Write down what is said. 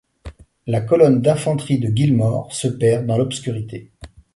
La colonne d'infanterie de Gillmore se perd dans l'obscurité.